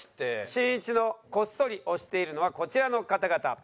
しんいちのこっそり推しているのはこちらの方々。